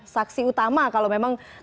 saksi utama kalau memang